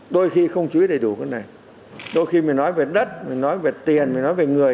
đôi khi không chú ý đầy đủ cái này đôi khi mình nói về đất mình nói về tiền mình nói về người